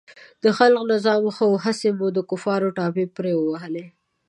د خلق نظام ښه و، هسې مو د کفر ټاپې پرې ووهلې.